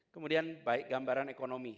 kemudian gambaran ekonomi